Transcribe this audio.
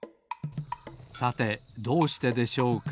さてどうしてでしょうか？